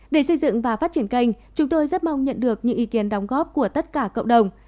để xây dựng và phát triển kênh chúng tôi rất mong nhận được những ý kiến đóng góp của tất cả cộng đồng